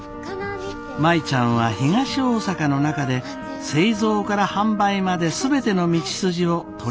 舞ちゃんは東大阪の中で製造から販売まで全ての道筋を取りまとめたのです。